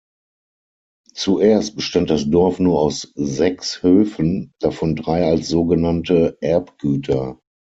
Zuerst bestand das Dorf nur aus sechs Höfen, davon drei als sogenannte Erbgüter.